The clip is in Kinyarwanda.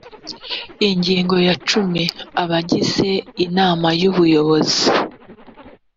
ingingo ya cumi abagize inama y ubuyobozi